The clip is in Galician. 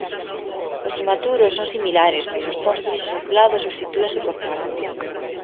Os inmaturos son similares mais os tons grises azulados substitúense por pardos.